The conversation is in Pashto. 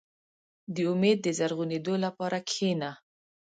• د امید د زرغونېدو لپاره کښېنه.